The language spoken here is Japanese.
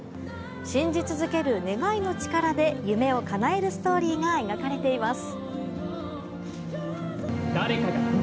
信じ続ける願いの力で夢をかなえるストーリーが描かれています。